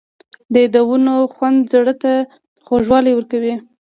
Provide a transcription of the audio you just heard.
د یادونو خوند زړه ته خوږوالی ورکوي.